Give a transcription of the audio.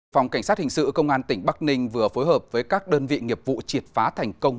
phòng cảnh sát hình sự công an tỉnh bắc ninh vừa phối hợp với các đơn vị nghiệp vụ triệt phá thành công